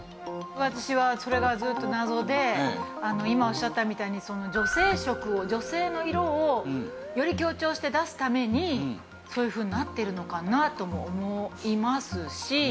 私はそれがずっと謎で今おっしゃったみたいに女性色を女性の色をより強調して出すためにそういうふうになってるのかなとも思いますし。